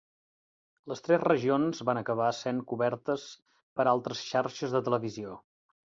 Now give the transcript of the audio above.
Les tres regions van acabar sent cobertes per altres xarxes de televisió.